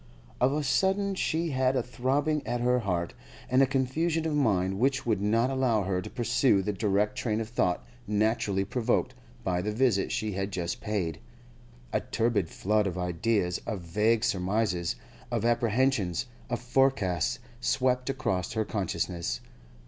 Of a sudden she had a throbbing at her heart, and a confusion of mind which would not allow her to pursue the direct train of thought naturally provoked by the visit she had just paid. A turbid flood of ideas, of vague surmises, of apprehensions, of forecasts, swept across her consciousness.